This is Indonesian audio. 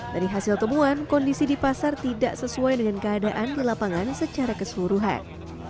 dari hasil temuan kondisi di pasar tidak sesuai dengan keadaan di lapangan secara keseluruhan